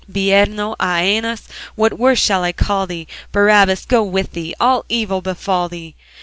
Bireno, Æneas, what worse shall I call thee? Barabbas go with thee! All evil befall thee!